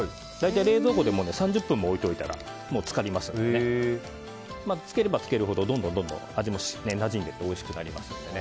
冷蔵庫で３０分も置いておいたら漬かりますので漬ければ漬けるほどどんどん味もなじんでいっておいしくなりますのでね。